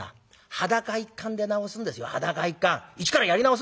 裸一貫出直すんですよ！」。